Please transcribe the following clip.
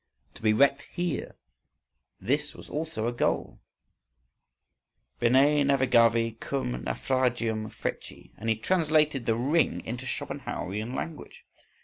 To be wrecked here, this was also a goal:—Bene navigavi cum naufragium feci … and he translated the "Ring" into Schopenhauerian language.